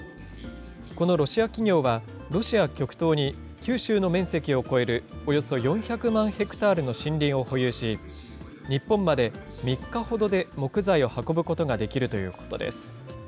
このロシア企業は、ロシア極東に九州の面積を超えるおよそ４００万ヘクタールの森林を保有し、日本まで３日ほどで木材を運ぶことができるということです。